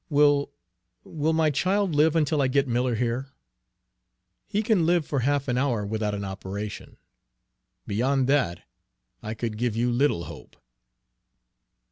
Will will my child live until I can get Miller here?" "He can live for half an hour without an operation. Beyond that I could give you little hope."